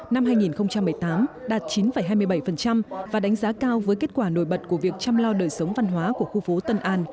năm hai nghìn một mươi tám đạt chín hai mươi bảy và đánh giá cao với kết quả nổi bật của việc chăm lo đời sống văn hóa của khu phố tân an